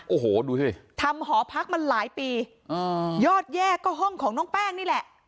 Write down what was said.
โอ้โหดูสิทำหอพักมาหลายปีอ่ายอดแยกก็ห้องของน้องแป้งนี่แหละ